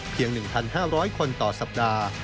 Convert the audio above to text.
เพียง๑๕๐๐คนต่อสัปดาห์